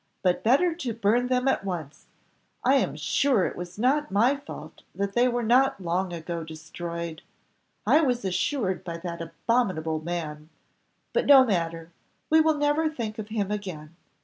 But better to burn them at once; I am sure it was not my fault that they were not long ago destroyed. I was assured by that abominable man but no matter, we will never think of him again.